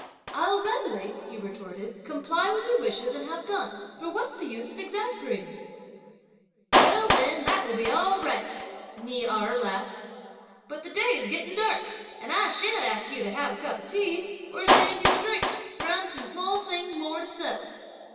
"I'll readily," he retorted, "comply with your wishes and have done; for what's the use of exasperating you!" "Well then that will be all right!" Ni Erh laughed; "but the day is getting dark; and I shan't ask you to have a cup of tea or stand you a drink, for I've some small things more to settle.